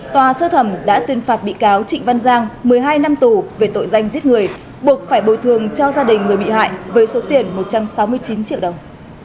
tòa sơ thẩm đã tuyên phạt bị cáo trịnh văn giang một mươi hai năm tù về tội danh giết người buộc phải bồi thường cho gia đình người bị hại với số tiền một trăm sáu mươi chín triệu đồng